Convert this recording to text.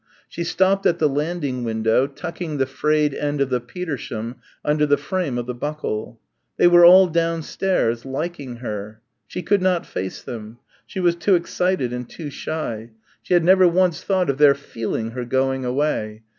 She stopped at the landing window, tucking the frayed end of the petersham under the frame of the buckle ... they were all downstairs, liking her. She could not face them. She was too excited and too shy.... She had never once thought of their "feeling" her going away